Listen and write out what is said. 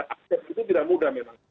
akses itu tidak mudah memang